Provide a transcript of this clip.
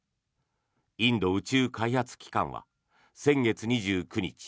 インド宇宙開発機関は先月２９日